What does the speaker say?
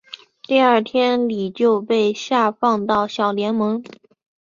第二天李就被下放到小联盟。